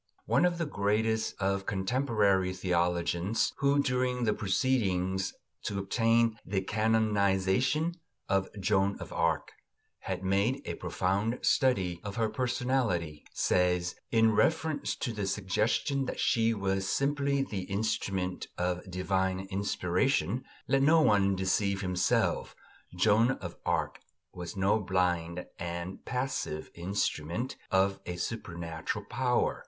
One of the greatest of contemporary theologians, who during the proceedings to obtain the canonisation of Joan of Arc had made a profound study of her personality, says, in reference to the suggestion that she was simply the instrument of divine inspiration: "Let no one deceive himself. Joan of Arc was no blind and passive instrument of a supernatural power.